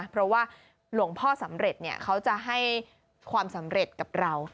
เพราะว่าหลวงพ่อสำเร็จเขาจะให้ความสำเร็จกับเรา